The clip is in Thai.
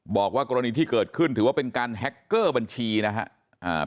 บอกว่ากรณีที่เกิดขึ้นถือว่าเป็นการแฮคเกอร์บัญชีนะครับ